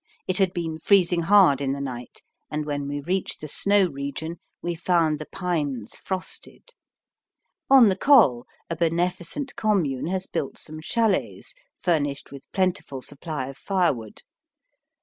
It had been freezing hard in the night, and when we reached the snow region we found the pines frosted. On the Col a beneficent commune has built some chalets furnished with plentiful supply of firewood.